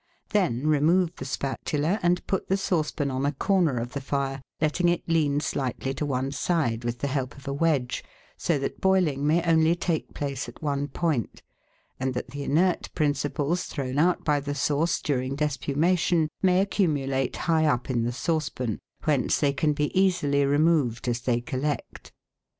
Then remove the spatula, and put the sauce pan on a corner of the fire, letting it lean slightly to one side with the help of a wedge, so that boiling may only take place at one point, and that the inert principles thrown out by the sauce during despumation may accumulate high up in the sauce pan, whence they can be easily removed as they collect.